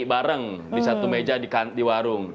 bareng di satu meja di warung